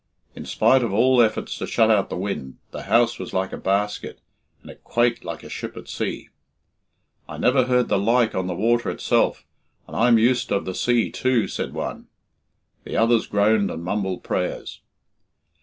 In spite of all efforts to shut out the wind, the house was like a basket, and it quaked like a ship at sea. "I never heard the like on the water itself, and I'm used of the sea, too," said one. The others groaned and mumbled prayers.